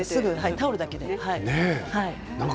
タオルだけでした。